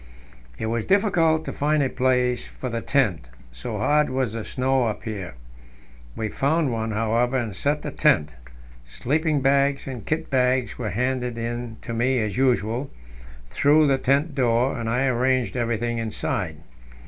It was difficult to find a place for the tent, so hard was the snow up here. We found one, however, and set the tent. Sleeping bags and kit bags were handed in to me, as usual, through the tent door, and I arranged everything inside.